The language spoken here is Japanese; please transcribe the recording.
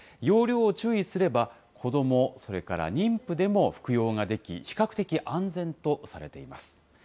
用量を注意すれば、子ども、それから妊婦でも服用ができ、比較的安全とされています。